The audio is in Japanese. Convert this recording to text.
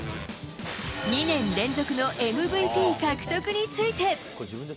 ２年連続のＭＶＰ獲得について。